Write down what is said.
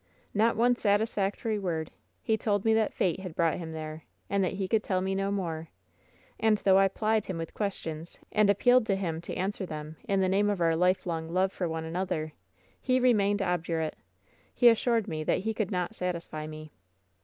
"Not one satisfactory wordl He told me that fate had brought him there, and that he could tell me no more. And though I plied him with questions, and ap pealed to him to answer them in the name of our lifelong love for one another, he remained obdurate. He as sured me that he could not satisfy me."